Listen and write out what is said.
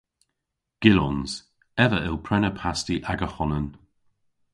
Gyllons. Ev a yll prena pasti aga honan.